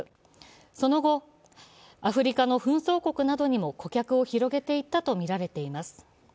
その後、アフリカの紛争国などにも顧客を広げていったとみられています。